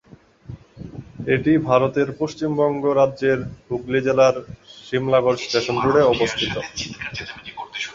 এটি ভারতের পশ্চিমবঙ্গ রাজ্যের হুগলী জেলার সিমলাগড় স্টেশন রোডে অবস্থিত।